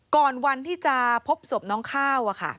ก่อนวันที่จะเพิ่มสบน้องข้าว